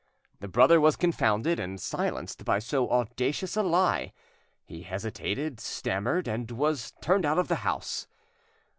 The brother was confounded and silenced by so audacious a lie; he hesitated, stammered, and was turned out of the house.